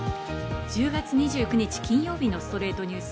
１０月２９日、金曜日の『ストレイトニュース』。